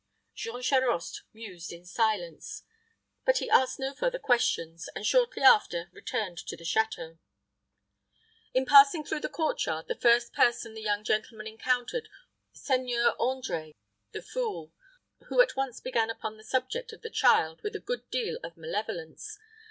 Jean Charost mused in silence; but he asked no further questions, and shortly after returned to the château. In passing through the court yard, the first person the young gentleman encountered was Seigneur André the fool, who at once began upon the subject of the child with a good deal of malevolence.